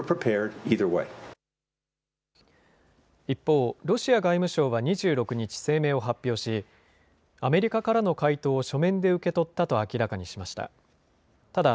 一方、ロシア外務省は２６日、声明を発表し、アメリカからの回答を書面で受け取ったと明らかにしました。